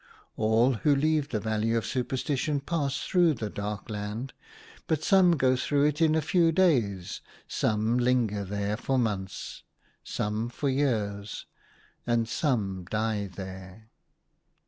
All who leave the valley of supersti tion pass through that dark land ; but some go through it in a few days, some 42 THE HUNTER. linger there for months, some for years, and some die there.